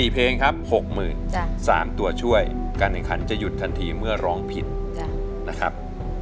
๔เพลงครับ๖๓ตัวช่วยการแข่งขันจะหยุดทันทีเมื่อร้องผิดนะครับ